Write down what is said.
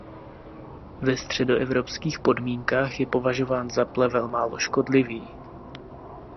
Ve středoevropských podmínkách je považován za plevel málo škodlivý.